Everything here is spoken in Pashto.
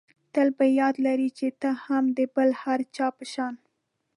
تل په یاد لره چې ته هم د بل هر چا په شان.